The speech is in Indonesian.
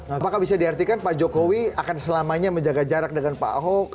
apakah bisa diartikan pak jokowi akan selamanya menjaga jarak dengan pak ahok